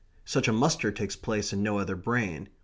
Such a muster takes place in no other brain.